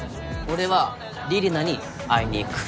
俺は李里奈に会いに行く。